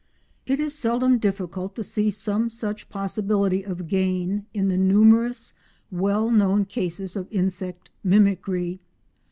It is seldom difficult to see some such possibility of gain in the numerous well known cases of insect mimicry.